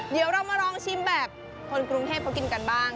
เดี๋ยวเรามาลองชิมแบบคนกรุงเทพเขากินกันบ้าง